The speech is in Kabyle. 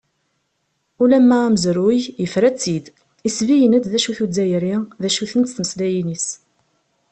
Ulamma amezruy, yefra-tt-id, isebggen-d d acu-t Uzzayri, d acu-tent tmeslayin-is.